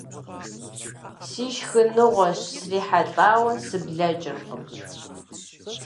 - Си шхыныгъуэщ: срихьэлӏауэ сыблэкӏыркъым.